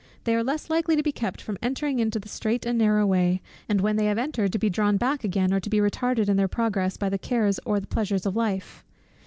They are less likely to be kept from entering into the strait and narrow way, and when they have entered to be drawn back again or to be retarded in their progress, by the cares or the pleasures of life.